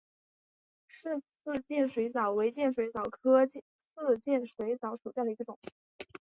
莫氏刺剑水蚤为剑水蚤科刺剑水蚤属下的一个种。